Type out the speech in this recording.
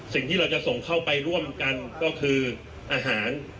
สิ่งที่เราจะส่งเข้าไปร่วมกันก็คืออาหาร